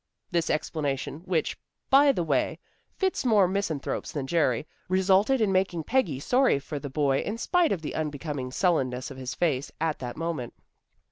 This explanation which, by the way, fits more misanthropes than Jerry, resulted in making Peggy sorry for the boy in spite of the unbecoming sullenness of his face at that moment.